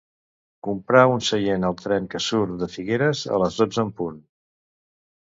Comprar un seient al tren que surt de Figueres a les dotze en punt.